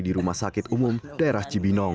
di rumah sakit umum daerah cibinong